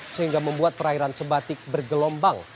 sehingga membuat perairan sebatik bergelombang